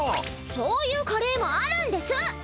そういうカレーもあるんです！